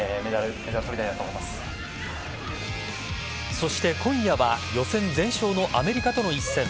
そして今夜は予選全勝のアメリカとの一戦。